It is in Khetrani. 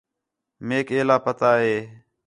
میک ایلا پتہ ہِے